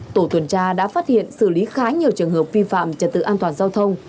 tổ tuần tra đã phát hiện xử lý khá nhiều trường hợp vi phạm trật tự an toàn giao thông